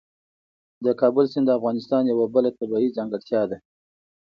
د کابل سیند د افغانستان یوه بله طبیعي ځانګړتیا ده.